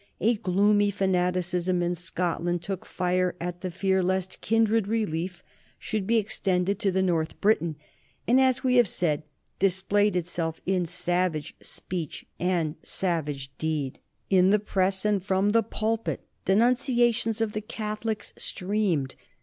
A gloomy fanaticism in Scotland took fire at the fear lest kindred relief should be extended to the North Briton, and, as we have said, displayed itself in savage speech and savage deed. In the press and from the pulpit denunciations of the Catholics streamed.